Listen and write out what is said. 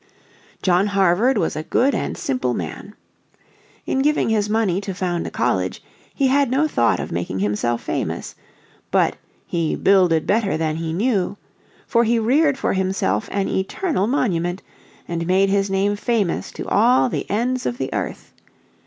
John Harvard was a good and simple man. In giving his money to found a college he had no thought of making himself famous. But "he builded better than he knew," for he reared for himself an eternal monument, and made his name famous to all the ends of the earth.